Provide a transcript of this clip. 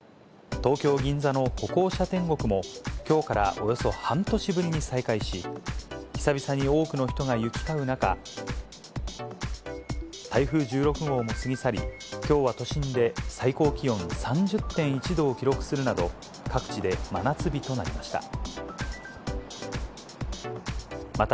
東京・銀座の歩行者天国も、きょうからおよそ半年ぶりに再開し、久々に多くの人が行き交う中、台風１６号も過ぎ去り、きょうは都心で最高気温３０．１度を記録するなど、各地で真夏日となりました。